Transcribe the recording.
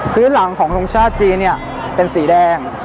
พื้นหลังของทรงชาติจีนเนี่ยเป็นสีแดง